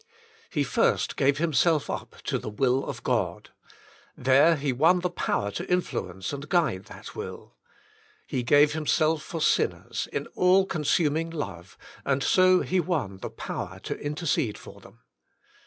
He first gave himself up to the will of God. There he won the power to influence and guide that will. He gave Himself for sinners in all consuming love, and so He won the power to intercede for them.